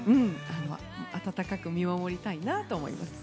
温かく見守りたいなと思います。